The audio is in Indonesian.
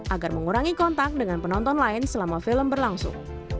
agar mengurangi kontak dengan penonton lain selama film berlangsung